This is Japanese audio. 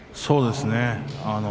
そうですね。